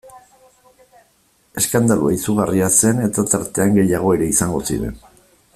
Eskandalua izugarria zen eta tartean gehiago ere izango ziren...